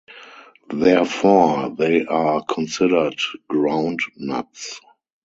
Therefore, they are considered ground nuts.